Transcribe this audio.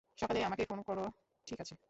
সকালে আমাকে ফোন কোরো, ঠিক আছে?